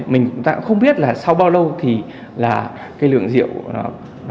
mình không biết là sau bao lâu thì là cái lượng rượu âm tính trong máu hay trong hơi thở